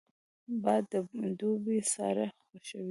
باد د دوبي ساړه خوښوي